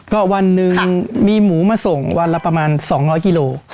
ก็วันหนึ่งมีหมูมาส่งวันละประมาณ๒๐๐กิโล